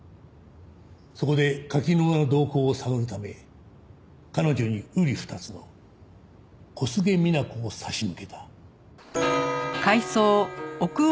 そこで柿沼の動向を探るため彼女にうり二つの小菅みな子を差し向けた。